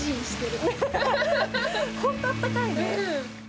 ホント、あっかいね。